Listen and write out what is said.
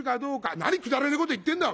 「何くだらねえこと言ってんだお前。